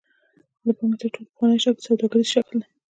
د پانګې تر ټولو پخوانی شکل سوداګریز شکل دی.